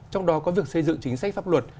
trong đó có việc xây dựng chính sách pháp luật